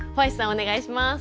お願いします。